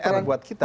pr buat kita